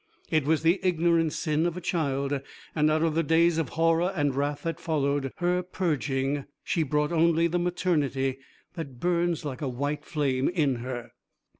It was the ignorant sin of a child, and out of the days of horror and wrath that followed her purging she brought only the maternity that burns like a white flame in her.